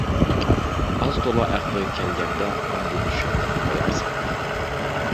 ئاز-تولا ئەقلىگە كەلگەندە ئاندىن چۈشەندۈرۈپ قويارسەن.